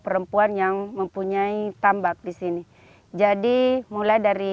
rumput laut menjadi sumber